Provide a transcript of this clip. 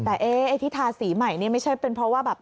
แต่ไอ้ที่ทาสีใหม่นี่ไม่ใช่เป็นเพราะว่าแบบ